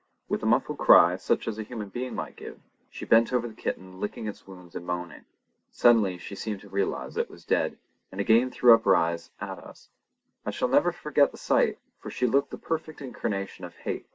With a muffled cry, such as a human being might give, she bent over the kitten licking its wounds and moaning. Suddenly she seemed to realise that it was dead, and again threw her eyes up at us. I shall never forget the sight, for she looked the perfect incarnation of hate.